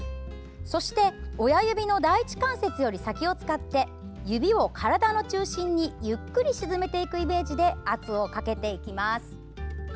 そして、親指の第１関節より先を使って指を体の中心にゆっくり沈めていくイメージで圧をかけていきます。